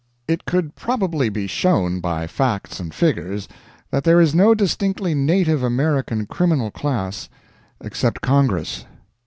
It could probably be shown by facts and figures that there is no distinctly native American criminal class except Congress.